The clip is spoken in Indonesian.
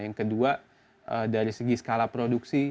yang kedua dari segi skala produksi